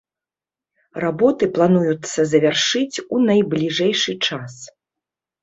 Работы плануецца завяршыць у найбліжэйшы час.